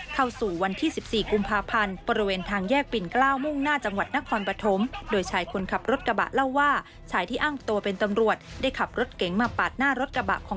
เข้าสู่วันที่๑๔กุมภาพันธ์